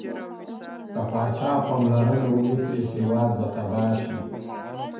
که پاچا پاملرنه ونه کړي، هیواد به تباه سي.